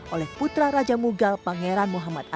oleh putra raja mughal pangeran